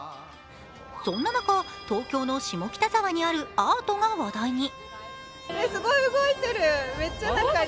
そんな中、東京の下北沢にあるアートが話題に。